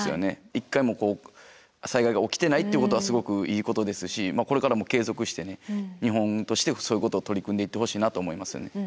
一回も災害が起きてないっていうことはすごくいいことですしこれからも継続してね見本としてそういうことを取り組んでいってほしいなと思いますよね。